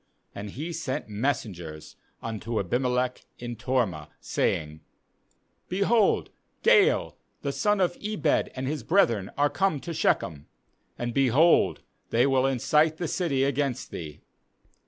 31And he sent messengers unto Abimelech in Tormah, saying: 'Behold, Gaal the son of Ebed and his brethren are come to Shechem; and, behold, they will incite the city against thee.